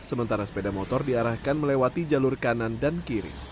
sementara sepeda motor diarahkan melewati jalur kanan dan kiri